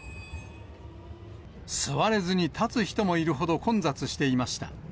座れずに立つ人もいるほど混雑していました。